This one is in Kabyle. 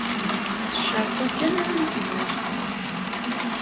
S ccerṭ-a kan ara neqbbel.